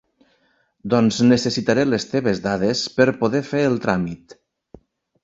Doncs necessitaré les teves dades per poder fer el tràmit.